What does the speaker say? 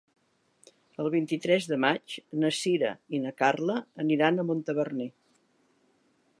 El vint-i-tres de maig na Sira i na Carla aniran a Montaverner.